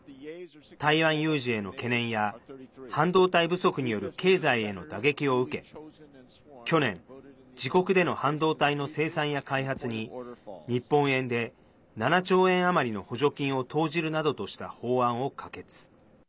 台湾有事への懸念や半導体不足による経済への打撃を受け去年、自国での半導体の生産や開発に日本円で７兆円余りの補助金を投じるなどとした法案を可決。